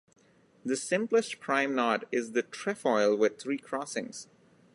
The simplest prime knot is the trefoil with three crossings.